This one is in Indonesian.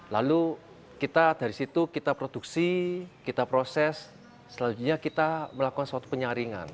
lalu kita dari situ kita produksi kita proses selanjutnya kita melakukan suatu penyaringan